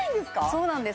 そうなんです